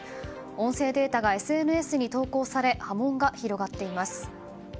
音声データがＳＮＳに投稿され波紋が広がっています。